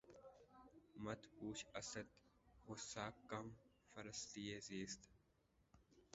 مت پوچھ اسد! غصۂ کم فرصتیِ زیست